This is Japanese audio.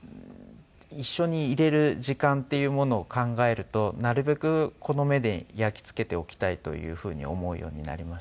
一緒にいられる時間っていうものを考えるとなるべくこの目に焼き付けておきたいという風に思うようになりました。